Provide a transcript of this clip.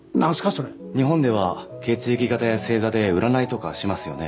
それ日本では血液型や星座で占いとかしますよね